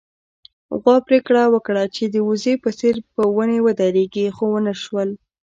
غوا پرېکړه وکړه چې د وزې په څېر په ونې ودرېږي، خو ونه شول